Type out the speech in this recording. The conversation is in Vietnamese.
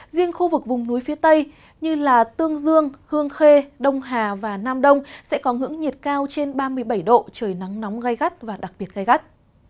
riêng khu vực vùng núi phía tây như tương dương hương khê đông hà và nam đông sẽ có ngưỡng nhiệt cao trên ba mươi bảy độ trời nắng nóng gai gắt và đặc biệt gai gắt